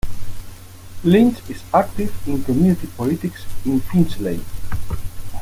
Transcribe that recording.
Lynch is active in community politics in Finchley.